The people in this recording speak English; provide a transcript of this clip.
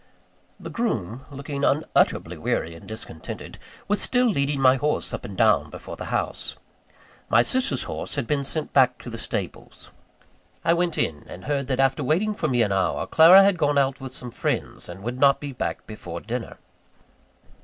The groom, looking unutterably weary and discontented, was still leading my horse up and down before the house. My sister's horse had been sent back to the stables. I went in; and heard that, after waiting for me an hour, Clara had gone out with some friends, and would not be back before dinner.